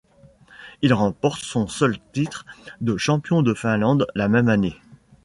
Il remporte son seul titre de champion de Finlande la même année.